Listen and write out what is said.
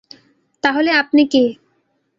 তাহলে আপনি কে?